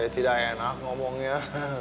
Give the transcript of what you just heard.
ih kenapa pakai gak enak ngomongnya